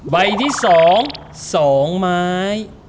ใบที่๒สองไม้